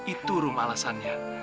itu rung alasannya